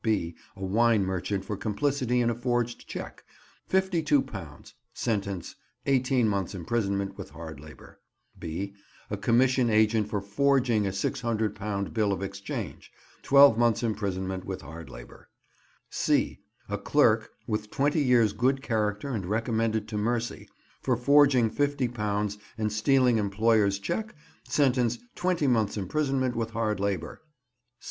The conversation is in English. (b) A wine merchant for complicity in a forged cheque, £52: sentence, 18 months' imprisonment with hard labour. (b) A commission agent for forging a £600 bill of exchange: 12 months' imprisonment with hard labour. (c) A clerk (with twenty years' good character and recommended to mercy), for forging £50 and stealing employer's cheque: sentence, twenty months' imprisonment with hard labour.